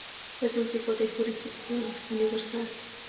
Es un tipo de jurisdicción universal.